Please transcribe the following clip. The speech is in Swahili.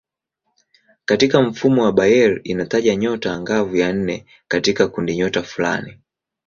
Katika mfumo wa Bayer inataja nyota angavu ya nne katika kundinyota fulani.